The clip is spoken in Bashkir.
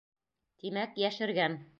Тимәк, йәшергән!